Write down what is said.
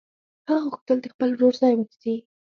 هغه غوښتل د خپل ورور ځای ونیسي